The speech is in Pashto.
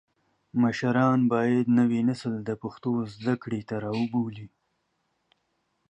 مشران باید نوی نسل د پښتو زده کړې ته راوبولي.